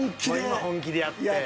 今本気でやって。